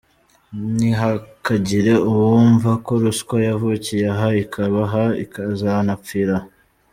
Ntihakagire uwumva ko ruswa yavukiye aha, ikaba aha, ikazanapfira aha.